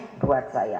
itu buat saya